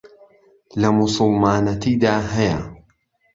له موسوڵمانهتی دا ههیه